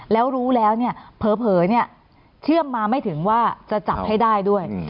แล้วรู้แล้วเนี่ยเผลอเชื่อมมาไม่ถึงว่าจะจับให้ได้ด้วย